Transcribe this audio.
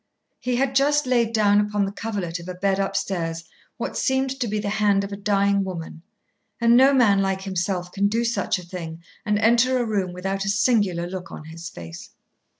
He had just laid down upon the coverlet of a bed upstairs what seemed to be the hand of a dying woman, and no man like himself can do such a thing and enter a room without a singular look on his face.